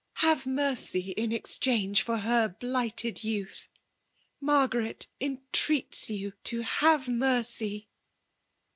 Have mercy in exdiange for tber b%hted youth; Margaret entreats you to Jutve mercy